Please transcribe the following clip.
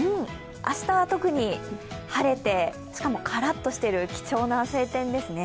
明日は特に晴れて、しかも、からっとしている貴重な晴天ですね。